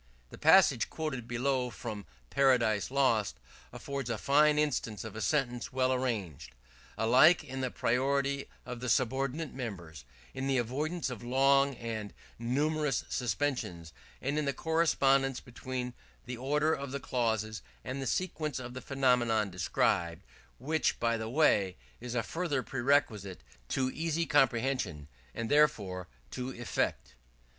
The passage quoted below from 'Paradise Lost' affords a fine instance of a sentence well arranged; alike in the priority of the subordinate members, in the avoidance of long and numerous suspensions, and in the correspondence between the order of the clauses and the sequence of the phenomena described, which, by the way, is a further prerequisite to easy comprehension, and therefore to effect.